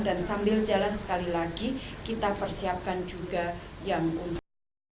dan sambil jalan sekali lagi kita persiapkan juga yang untuk